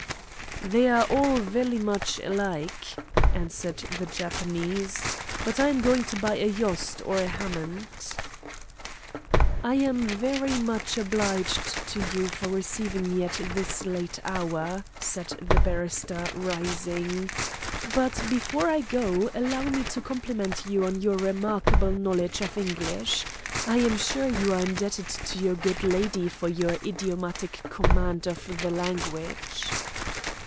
"They are all vely much alike," answered the Japanese, "but I am going to buy a Yost or a Hammond." "I am very much obliged to you for receiving me at this late hour," said the barrister, rising, "but before I go allow me to compliment you on your remarkable knowledge of English. I am sure you are indebted to your good lady for your idiomatic command of the language."